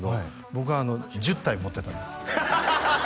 僕１０体持ってたんです